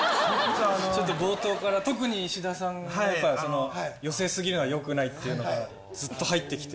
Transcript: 冒頭から特に石田さんがやっぱりその寄せ過ぎるのはよくないっていうのがずっと入ってきて。